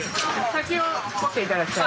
先を持って頂きたい。